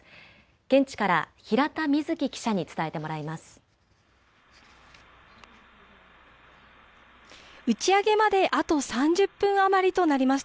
現地から平田瑞季記者に伝えてもらいます。